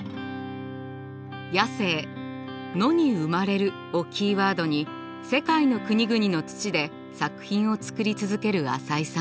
「野生」「野に生まれる」をキーワードに世界の国々の土で作品を作り続ける淺井さん。